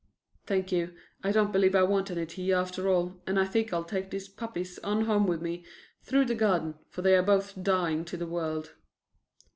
"Thank you, I don't believe I want any tea after all, and I think I'll take these 'puppies' on home with me through the garden, for they are both dying to the world."